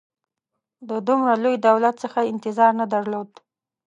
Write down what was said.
د دومره لوی دولت څخه یې انتظار نه درلود.